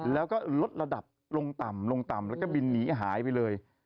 แล้วก็ลดระดับลงต่ำลงต่ำแล้วก็บินหนีหายไปเลย